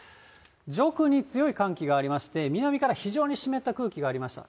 上空に強い寒気がありまして、南から非常に湿った空気がありました。